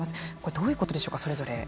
どういうことでしょうかそれぞれ。